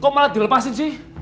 kok malah dilepasin sih